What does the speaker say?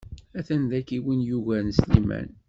A-t-an dagi win yugaren Sliman.